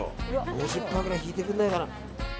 ５０％くらい引いてくれねえかな。